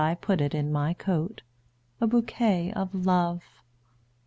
put it in my coat,A bouquet of Love!